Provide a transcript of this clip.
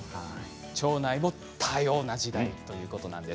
腸内も多様な時代ということなんです。